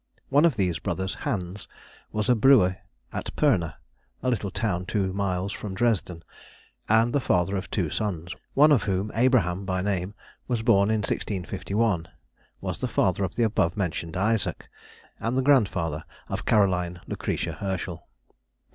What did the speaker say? One of these brothers, Hans, was a brewer at Pirna, a little town two miles from Dresden, and the father of two sons, one of whom, Abraham by name, was born in 1651, was the father of the above mentioned Isaac, and the grandfather of Caroline Lucretia Herschel.